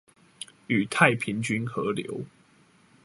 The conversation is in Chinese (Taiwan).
與太平軍合流